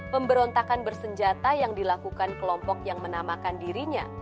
pemberontakan bersenjata yang dilakukan kelompok yang menamakan dirinya